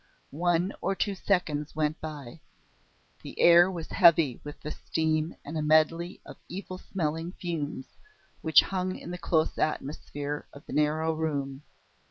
One or two seconds went by. The air was heavy with steam and a medley of evil smelling fumes, which hung in the close atmosphere of the narrow room.